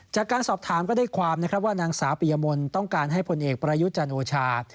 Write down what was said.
จากการสอบถามก็ได้ความว่านางสาปิยมลต้องการให้พลเอกประยุจจันทร์โอชา